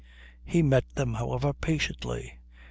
He met them, however, patiently.